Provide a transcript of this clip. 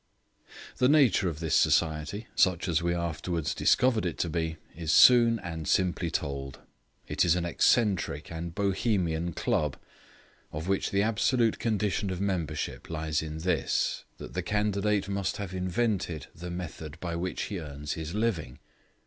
The nature of this society, such as we afterwards discovered it to be, is soon and simply told. It is an eccentric and Bohemian Club, of which the absolute condition of membership lies in this, that the candidate must have invented the method by which he earns his living.